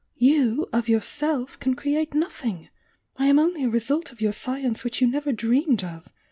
You, of yourself, can create nothing. I am only a result of your science which you never dreamed of!